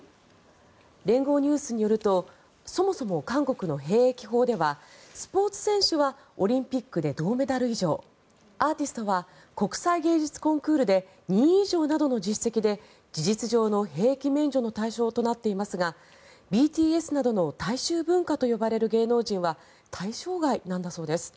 連合ニュースによるとそもそも韓国の兵役法ではスポーツ選手はオリンピックで銅メダル以上アーティストは国際芸術コンクールで２位以上などの実績で事実上の兵役免除の対象となっていますがＢＴＳなどの大衆文化と呼ばれる芸能人は対象外なんだそうです。